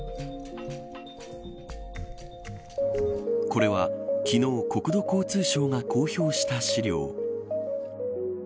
これは昨日国土交通省が公表した資料。